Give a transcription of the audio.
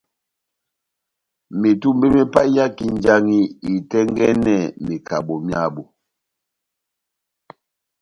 Metumbe me paiyaki njaŋhi itɛ́ngɛ́nɛ mekado myábu.